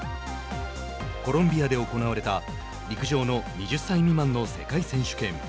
コロンビアで行われた陸上の２０歳未満の世界選手権。